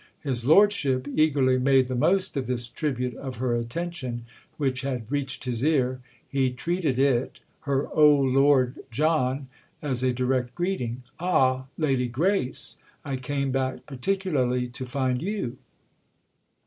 His lordship eagerly made the most of this tribute of her attention, which had reached his ear; he treated it—her "Oh Lord John!"—as a direct greeting. "Ah Lady Grace! I came back particularly to find you."